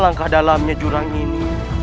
alangkah dalamnya jurang ini